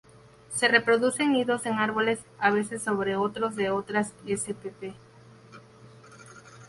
Se reproduce en nidos en árboles, a veces sobre otros de otras spp.